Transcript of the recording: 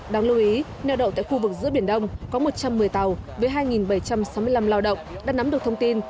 đáng lưu ý neo đậu tại khu vực giữa biển đông có một trăm một mươi tàu với hai bảy trăm sáu mươi năm lao động đã nắm được thông tin